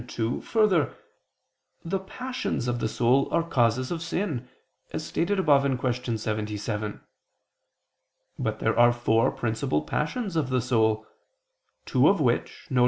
2: Further, the passions of the soul are causes of sin, as stated above (Q. 77). But there are four principal passions of the soul; two of which, viz.